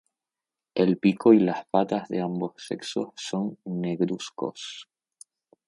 El pico y las patas de ambos sexos son negruzcos.